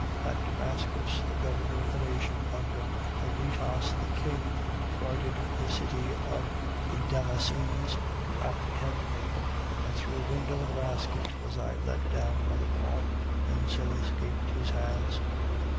11:32. At Damascus, the governor of the nation under Aretas the king, guarded the city of the Damascenes, to apprehend me. 11:33. And through a window in a basket was I let down by the wall: and so escaped his hands.